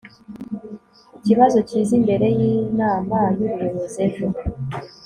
ikibazo kiza imbere yinama yubuyobozi ejo